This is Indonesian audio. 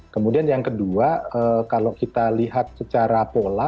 kemudian yang kedua kalau kita lihat secara pola